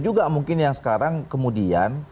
juga mungkin yang sekarang kemudian